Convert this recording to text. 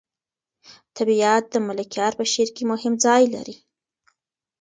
طبیعت د ملکیار په شعر کې مهم ځای لري.